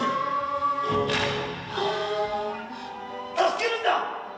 助けるんだ！